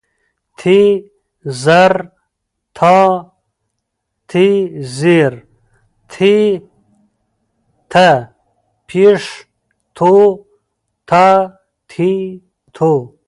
ت زر تا، ت زېر تي، ت پېښ تو، تا تي تو